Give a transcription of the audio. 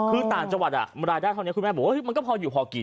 คือต่างจังหวัดรายได้เท่านี้คุณแม่บอกว่ามันก็พออยู่พอกิน